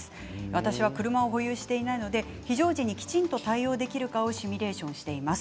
私は車を保有していないので非常時にきちんと対応できるかをシミュレーションしています。